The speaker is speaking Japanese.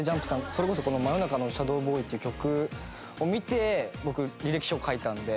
それこそこの『真夜中のシャドーボーイ』って曲を見て僕履歴書を書いたんで。